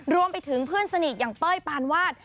รวมไปถึงเพื่อนสนิทอย่างเป้ยปานวาด